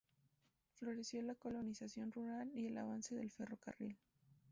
Favoreció la colonización rural y el avance del ferrocarril.